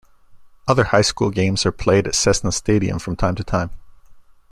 Other high school games are played at Cessna Stadium from time to time.